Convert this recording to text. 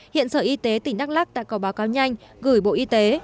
hiện sở y tế tỉnh đắk lắc đã có báo cáo nhanh gửi bộ y tế